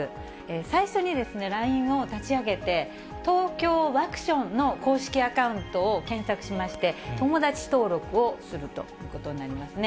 最初にですね、ＬＩＮＥを立ち上げて、ＴＯＫＹＯワクションの公式アカウントを検索しまして、友だち登録をするということになりますね。